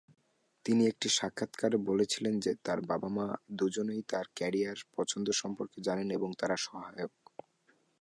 তিনি একটি সাক্ষাত্কারে বলেছিলেন যে তার বাবা-মা দুজনেই তার ক্যারিয়ার পছন্দ সম্পর্কে জানেন এবং তারা সহায়ক।